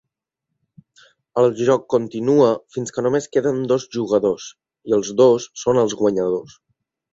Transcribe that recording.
El joc continua fins que només queden dos jugadors, i els dos són els guanyadors.